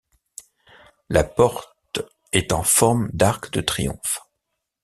La porte est en forme d'arc de triomphe.